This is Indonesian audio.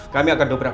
kami akan dobrak